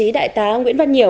đồng chí đại tá nguyễn văn nhiều